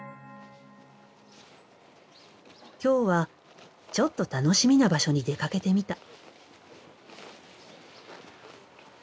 今日はちょっと楽しみな場所に出かけてみた。